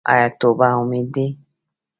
آیا توبه امید دی؟